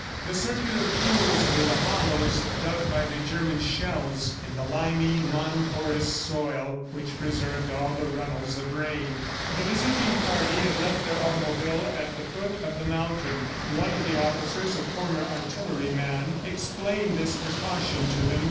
The circular pools were the hollows dug by the German shells in the limy, non porous soil which preserved all the runnels of rain. The visiting party had left their automobile at the foot of the mountain. One of the officers, a former artilleryman, explained this precaution to them.